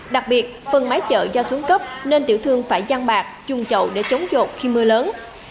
đặc biệt phần mái chợ do xuống cấp nên tiểu thương phải gian bạc dùng chậu để trốn chột khi mưa lớn